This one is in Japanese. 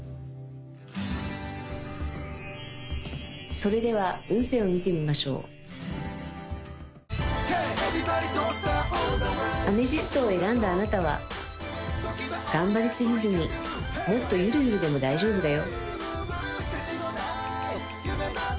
それでは運勢を見てみましょうアメジストを選んだあなたは頑張りすぎずにもっとゆるゆるでも大丈夫だよ